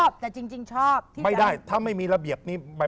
แต่จริงชอบไม่ได้ถ้าไม่มีระเบียบนี้